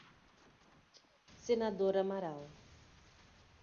Senador Amaral